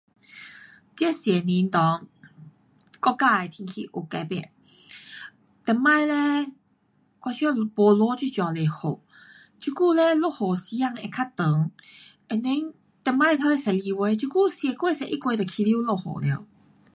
这十年内国家的天气有改变，以前嘞我觉得都没落这么多雨，这久嘞落雨时间会较长，and then 以前透底十二月，这次十月十一月就开始落雨了。